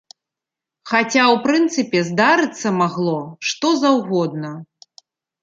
Хаця ў прынцыпе здарыцца магло, што заўгодна.